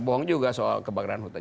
bohong juga soal kebakaran hutan